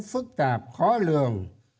phức tạp khó lường